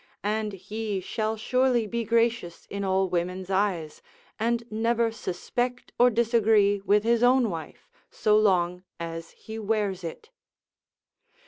and he shall surely be gracious in all women's eyes, and never suspect or disagree with his own wife so long as he wears it.